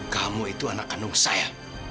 kamu itu anak kandung saya